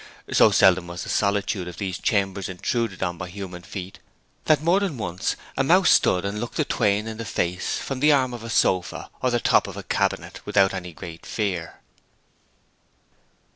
So seldom was the solitude of these chambers intruded on by human feet that more than once a mouse stood and looked the twain in the face from the arm of a sofa, or the top of a cabinet, without any great fear.